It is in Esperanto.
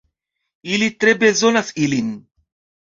Ili tre bezonas ilin.